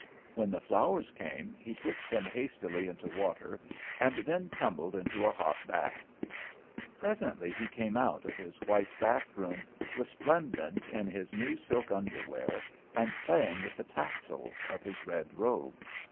When the flowers came, he put them hastily into water, and then tumbled into a hot bath. Presently he came out of his white bath room, resplendent in his new silk underwear, and playing with the tassels of his red robe.